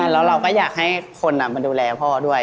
แล้วเราก็อยากให้คนมาดูแลพ่อด้วย